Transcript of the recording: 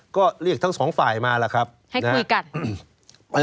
ก็เรียกทั้งสองฝ่ายมาล่ะครับให้คุยกันอืม